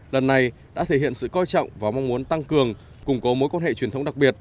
lần này đã thể hiện sự coi trọng và mong muốn tăng cường củng cố mối quan hệ truyền thống đặc biệt